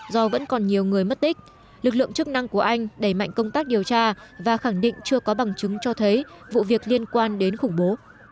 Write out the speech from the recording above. do vẫn còn nhiều người mất tích lực lượng chức năng của anh đẩy mạnh công tác điều tra và khẳng định chưa có bằng chứng cho thấy vụ việc liên quan đến khủng bố